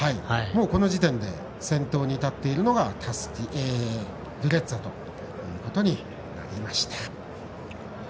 この時点で先頭に立っているのがドゥレッツァということになりました。